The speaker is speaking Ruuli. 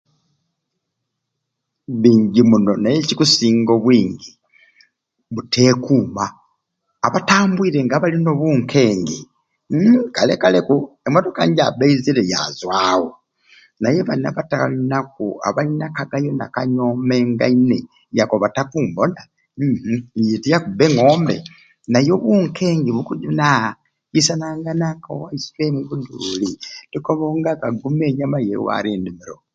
Bingi muno naye ekikusinga obwingi buteekuuma abatambwire nga balina obunkengi uumm kale kale ku emotoka ni jaabba eizire yaazwawo naye bani abatalinaku abalina akanyomengaine ye akkoba takumbona uumm ye tiyakubbe ngombe naye obunkengi bukujuna kisanangana k'ewaiswe eni omu Buduuli tukkoba o ngabi aguma ennyama ewali endimiro.